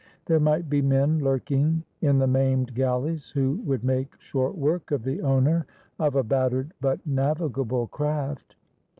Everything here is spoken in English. There might be men lurking in the maimed galleys who would make short work of the owner of a battered but navigable craft.